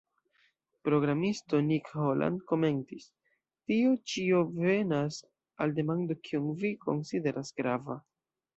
Programisto Nick Holland komentis: "Tio ĉio venas al demando kion vi konsideras grava.".